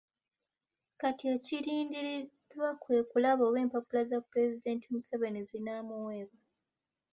Kati ekirindiriddwa kwe kulaba oba empapula za Pulezidenti Museveni zinaamuweebwa.